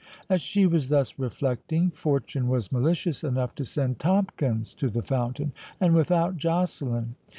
As she was thus reflecting, Fortune was malicious enough to send Tomkins to the fountain, and without Joceline.